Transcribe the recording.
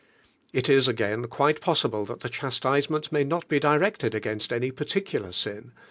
It is again quite possible that t lie chas tisement may not lie directed against any particular sin.